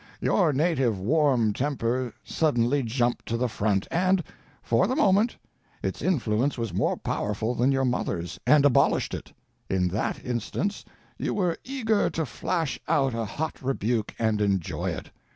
Your native warm temper suddenly jumped to the front, and _for the moment its influence _was more powerful than your mother's, and abolished it. In that instance you were eager to flash out a hot rebuke and enjoy it.